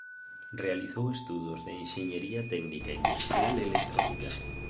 Realizou estudos de enxeñería técnica industrial electrónica.